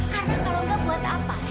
karena kalau nggak buat apa